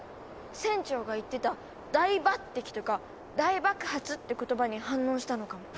船長が言ってた「大ばってき」とか「大爆発」って言葉に反応したのかも。